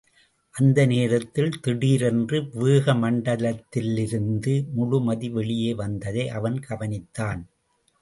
அந்த நேரத்தில் திடீரேன்று மேகமண்டலத்திலிருந்து முழு மதி வெளியே வந்ததை அவன் கவனித்தான்.